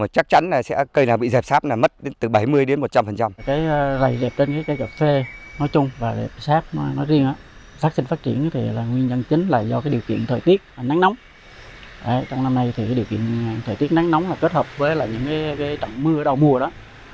trong năm nay thì điều kiện thời tiết nắng nóng kết hợp với những trận mưa đầu mùa đó